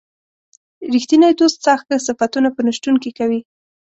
ریښتینی دوست ستا ښه صفتونه په نه شتون کې کوي.